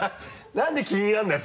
何で気になるんだよ